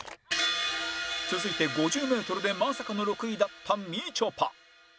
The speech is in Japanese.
続いて５０メートルでまさかの６位だったみちょぱ